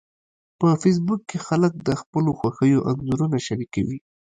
په فېسبوک کې خلک د خپلو خوښیو انځورونه شریکوي